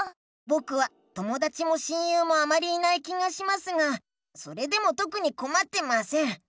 ぼくはともだちも親友もあまりいない気がしますがそれでもとくにこまってません。